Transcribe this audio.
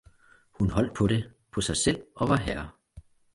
hun holdt på det, på sig selv og Vorherre.